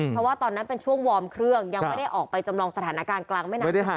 เพราะว่าตอนนั้นเป็นช่วงวอร์มเครื่องยังไม่ได้ออกไปจำลองสถานการณ์กลางแม่น้ำ